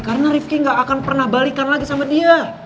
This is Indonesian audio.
karena riffky gak akan pernah balikan lagi sama dia